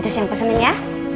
itu yang pesenin ya